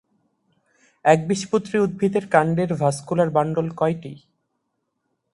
একবীজপত্রী উদ্ভিদের কাণ্ডের ভাস্কুলার বান্ডল কয়টি?